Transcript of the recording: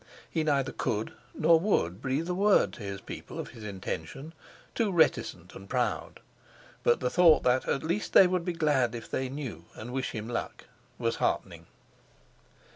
He neither could nor would breathe a word to his people of his intention—too reticent and proud—but the thought that at least they would be glad if they knew, and wish him luck, was heartening.